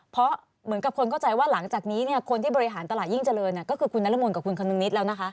เพราะเหมือนกับคนเข้าใจว่าหลังจากนี้คนที่บริหารตลาดยิ่งเจริญก็คือคุณนรมนกับคุณคนนึงนิดแล้วนะคะ